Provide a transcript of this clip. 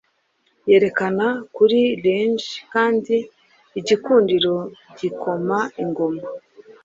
yerekana kuri lange Kandi igikundiro-gikoma ingoma